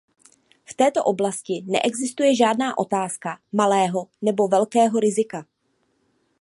V této oblasti neexistuje žádná otázka malého nebo velkého rizika.